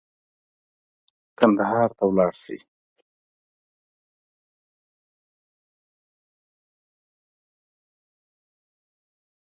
کندهار ته ولاړ شي.